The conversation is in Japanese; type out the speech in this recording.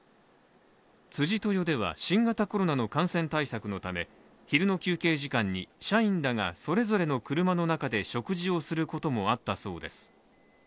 辻豊では新型コロナの感染対策のため昼の休憩時間に社員らがそれぞれの車の中で食事をすることもあったそうです。